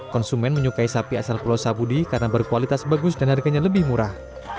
konsumen menyukai sapi asal pulau sabudi karena berkualitas bagus dan harganya lebih murah